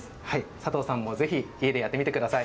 佐藤さんもぜひ、家でやってみてください。